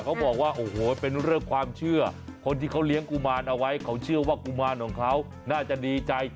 เขาบอกว่าโอ้โหเป็นเรื่องความเชื่อคนที่เขาเลี้ยงกุมารเอาไว้เขาเชื่อว่ากุมารของเขาน่าจะดีใจ